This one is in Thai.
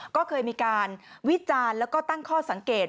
ก็เคยมีการวิจารณ์แล้วก็ตั้งข้อสังเกต